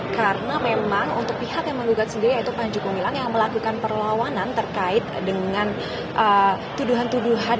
karena memang untuk pihak yang menggugat sendiri yaitu panji gumilang yang melakukan perlawanan terkait dengan tuduhan tuduhan